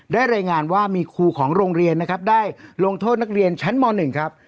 รายงานว่ามีครูของโรงเรียนนะครับได้ลงโทษนักเรียนชั้นม๑ครับ